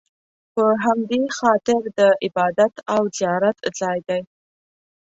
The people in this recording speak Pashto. په همدې خاطر د عبادت او زیارت ځای دی.